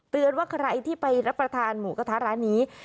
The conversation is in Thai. ว่าใครที่ไปรับประทานหมูกระทะร้านนี้